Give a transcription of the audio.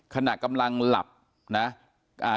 ขณะกำลังหลับน่ะอ่า